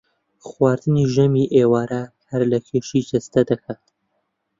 خواردنی ژەمی ئێوارە کار لە کێشی جەستە دەکات